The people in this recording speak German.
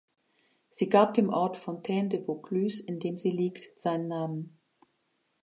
Sie gab dem Ort Fontaine-de-Vaucluse, in dem sie liegt, seinen Namen.